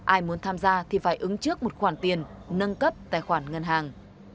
ai muốn tham gia thì phải ứng trước một khoản tiền nâng cấp tài khoản ngân hàng